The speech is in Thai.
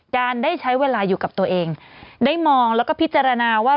การได้ใช้เวลาอยู่กับตัวเองได้มองแล้วก็พิจารณาว่า